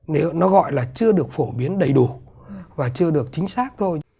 nếu nó gọi là chưa được phổ biến đầy đủ và chưa được chính xác thôi